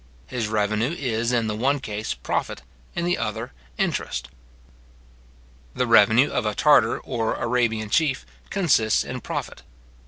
His revenue is, in the one case, profit, in the other interest. The revenue of a Tartar or Arabian chief consists in profit.